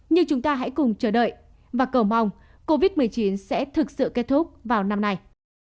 như chúng ta hãy cùng chờ đợi và cầu mong covid một mươi chín sẽ thực sự kết thúc vào năm nay